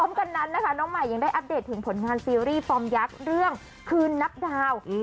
พร้อมกันนั้นนะคะน้องใหม่ยังได้อัปเดตถึงผลงานซีรีส์ฟอร์มยักษ์เรื่องคืนนับดาวน์